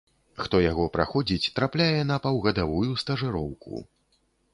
Хто яго праходзіць, трапляе на паўгадавую стажыроўку.